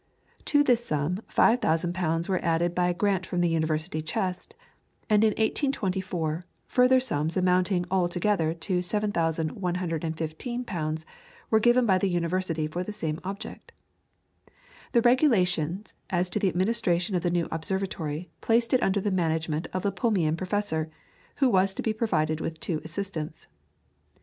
To this sum 5,000 pounds were added by a grant from the University chest, and in 1824 further sums amounting altogether to 7,115 pounds were given by the University for the same object. The regulations as to the administration of the new observatory placed it under the management of the Plumian Professor, who was to be provided with two assistants.